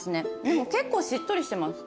でも結構しっとりしてます。